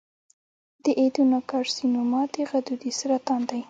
د ایڈینوکارسینوما د غدودي سرطان دی.